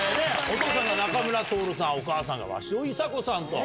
お父さんが仲村トオルさん、お母さんが鷲尾いさ子さんと。